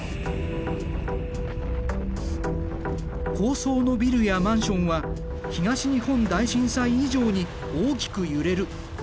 高層のビルやマンションは東日本大震災以上に大きく揺れる。